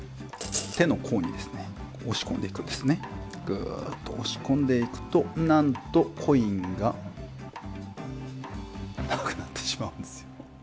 ぐと押し込んでいくとなんとコインがなくなってしまうんですよ。